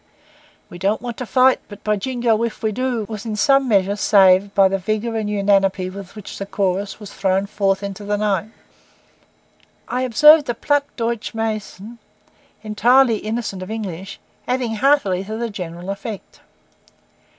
'We don't want to fight, but, by Jingo, if we do,' was in some measure saved by the vigour and unanimity with which the chorus was thrown forth into the night. I observed a Platt Deutsch mason, entirely innocent of English, adding heartily to the general effect.